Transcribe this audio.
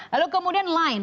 lalu kemudian line